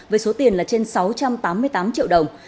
với số tiền là trên sáu trăm tám mươi tám triệu đồng